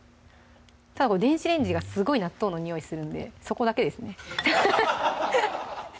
ただこれ電子レンジがすごい納豆のにおいするんでそこだけですねで